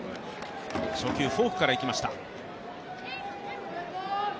初球フォークからいきました。